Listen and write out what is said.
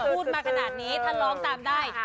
พูดมาขนาดนี้ถ้าร้องตามได้